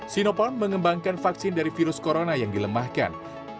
sinopharm mengembangkan vaksin dari virus corona yang dilemahkan